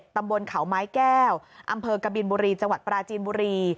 ตำบลเขาไม้แก้วอำเภอกบินบุรีจังหวัดปราจีนบุรี